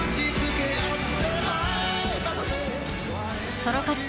ソロ活動